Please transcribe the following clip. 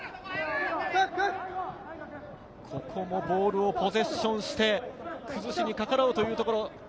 ここもボールをポゼッションして崩しにかかろうというところ。